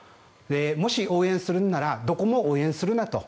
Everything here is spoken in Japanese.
もし応援するんならどこも応援するなと。